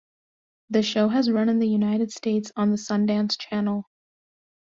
The show has run in the United States on the Sundance Channel.